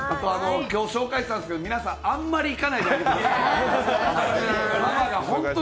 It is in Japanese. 今日紹介したんですけど、皆さんあんまり行かないように。